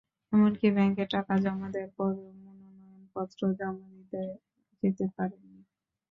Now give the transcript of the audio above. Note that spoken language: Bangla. এমনকি ব্যাংকে টাকা জমা দেওয়ার পরও মনোনয়নপত্র জমা দিতে যেতে পারেননি।